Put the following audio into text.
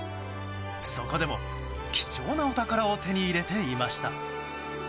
そこでも、貴重なお宝を手に入れていました。